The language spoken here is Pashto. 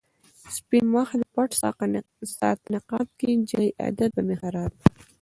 سپين مخ دې پټ ساته نقاب کې، جلۍ عادت به مې خراب کړې